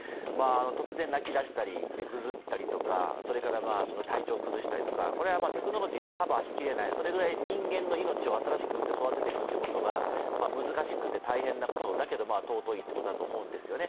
突然泣き出したり、ぐずったり体調崩したりとか、テクノロジーで関与できないそれぐらい人間の命を新しく生んで育てていくということが難しくて大変なこと、だけど尊いということだと思うんですね。